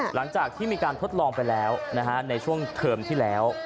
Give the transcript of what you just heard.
หลังจากที่มีการทดลองไปแล้วในช่วงเทอมที่แล้ว